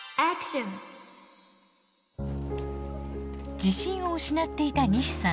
自信を失っていた西さん。